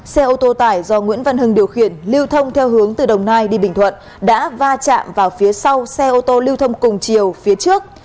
xe ô tô tải do nguyễn văn hưng điều khiển lưu thông theo hướng từ đồng nai đi bình thuận đã va chạm vào phía sau xe ô tô lưu thông cùng chiều phía trước